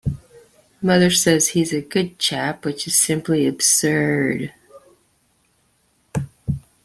Mother says he's a good chap, which is simply absurd.